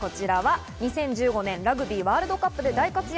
２０１５年、ラグビーワールドカップで大活躍。